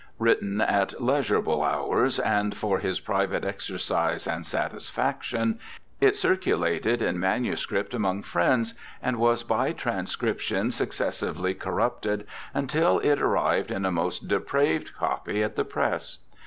Written at * leisurable hours and for his private exercise and satisfaction ', it circulated in manu script among friends, ' and was by transcription suc cessively corrupted, until it arrived in a most depraved copy at the press'.